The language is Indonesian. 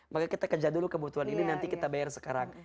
maka kita kejar dulu kebutuhan ini nanti kita bayar sekarang